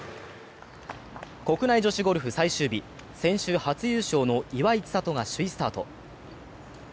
国内女子ゴルフ最終日、先週初優勝の岩井千怜が首位スタート。